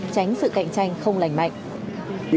tránh sự cạnh tranh không lành mạnh